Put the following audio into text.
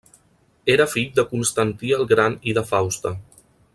Era fill de Constantí el Gran i de Fausta.